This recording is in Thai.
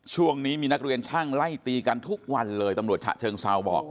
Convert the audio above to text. ช่วงนี้มีนักเรียนช่างไล่ตีกันทุกวันเลยตำรวจฉะเชิงเซาบอก